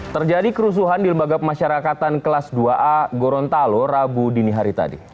terjadi kerusuhan di lembaga pemasyarakatan kelas dua a gorontalo rabu dini hari tadi